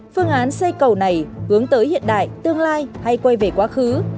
phương án xây cầu này hướng tới hiện đại tương lai hay quay về quá khứ